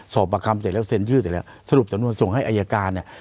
ประคำเสร็จแล้วเซ็นชื่อเสร็จแล้วสรุปสำนวนส่งให้อายการเนี่ย